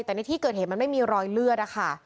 แต่ในที่เกิดเหตุมันไม่มีรอยเลือดนะคะ